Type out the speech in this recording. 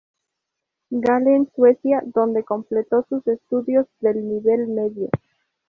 Gallen, Suiza, donde completó sus estudios de nivel medio.